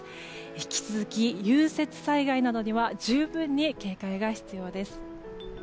引き続き、融雪災害などには十分に警戒が必要です。